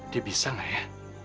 dia bisa ga ya